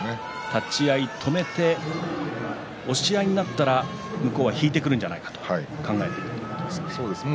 立ち合い止めて押し合いになったら、向こうは引いてくるんじゃないかと考えてということですね。